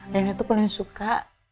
rena itu paling suka